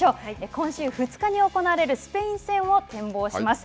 今週２日に行われるスペイン戦を展望します。